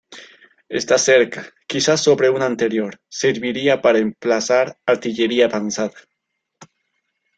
Esta cerca, quizá sobre una anterior, serviría para emplazar artillería avanzada.